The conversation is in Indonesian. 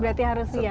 berarti harus siap